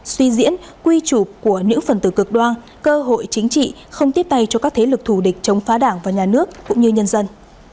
suy diễn quy trục của những phần tử cực đoan cơ hội chính trị không tiếp tay cho các thế lực thù địch chống phá đảng và nhà nước cũng như nhân dân